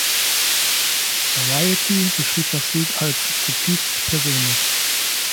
Variety beschrieb das Lied als „zutiefst persönlich“.